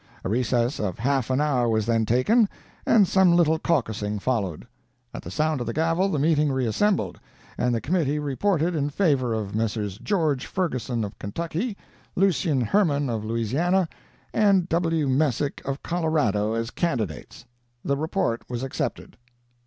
"A recess of half an hour was then taken, and some little caucusing followed. At the sound of the gavel the meeting reassembled, and the committee reported in favor of Messrs. George Ferguson of Kentucky, Lucien Herrman of Louisiana, and W. Messick of Colorado as candidates. The report was accepted.